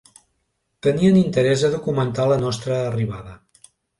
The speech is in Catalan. Tenien interès a documentar la nostra arribada.